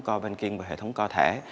co banking và hệ thống co thẻ